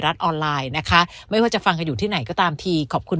ออนไลน์นะคะไม่ว่าจะฟังกันอยู่ที่ไหนก็ตามทีขอบคุณ